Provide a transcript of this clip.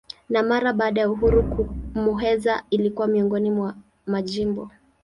Na mara baada ya uhuru Muheza ilikuwa miongoni mwa majimbo.